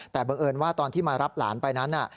แต่บังเอิญว่าตอนที่มารับหลานไปนั้น